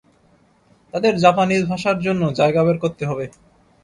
তাদের জাপানিজ ভাষার জন্য জায়গা বের করতে হবে।